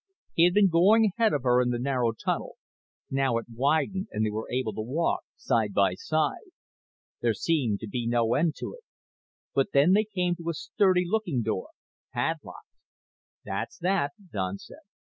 He had been going ahead of her in the narrow tunnel. Now it widened and they were able to walk side by side. There seemed to be no end to it. But then they came to a sturdy looking door, padlocked. "That's that," Don said.